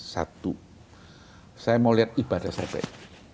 satu saya mau lihat ibadah saya baik